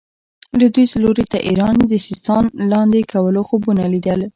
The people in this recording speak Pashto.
لوېدیځ لوري ته ایران د سیستان لاندې کولو خوبونه لیدل.